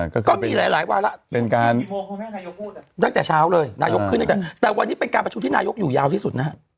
นะก็มีหลายแต่วันนี้เป็นการประชุมที่ชั่วโรคยู่ยาวที่สุดนะ